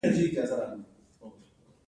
د لومړنیو ستورو عمر یو سل ملیونه کاله و.